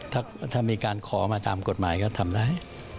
ถ้ามีการขอมาตามกฎหมายก็ทำได้